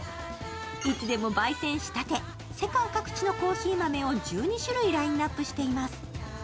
いつでもばい煎したて、世界各地のコーヒー豆を１２種類ラインナップしています。